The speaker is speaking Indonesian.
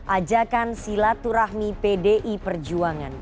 ajakan silaturahmi pdi perjuangan